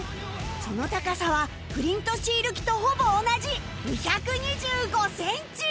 その高さはプリントシール機とほぼ同じ２２５センチ！